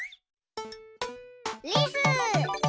リス！